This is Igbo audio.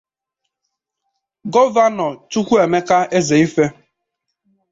Gọvanọ Chukwemeka Ezeife